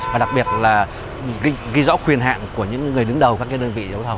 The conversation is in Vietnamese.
và đặc biệt là ghi rõ quyền hạn của những người đứng đầu các đơn vị đấu thầu